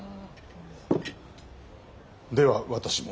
では私も。